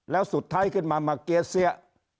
แล้วสุดท้ายขึ้นมามาเก๊เสีย